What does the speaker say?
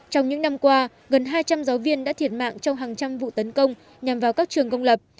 trong những năm qua gần hai trăm linh giáo viên đã thiệt mạng trong hàng trăm vụ tấn công nhằm vào các trường công lập